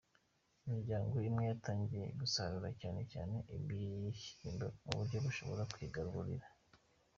Imiryango imwe yatangiye gusarura, cyane cyane ibishyimbo ku buryo bashobora kwigaburira.